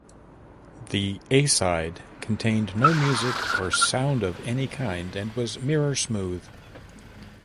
The A side contained no music or sound of any kind and was mirror-smooth.